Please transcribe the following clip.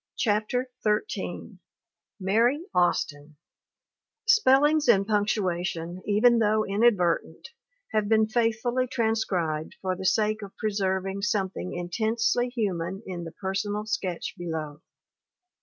CHAPTER XIII MARY AUSTIN [Spellings and punctuation, even though inadvertent, have been faithfully transcribed for the sake of pre serving something intensely human in the personal sketch below.